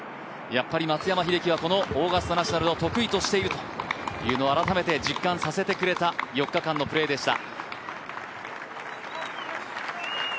やっぱり松山英樹はこのオーガスタ・ナショナルを得意としているというのを改めて実感させられた４日間のプレーでした。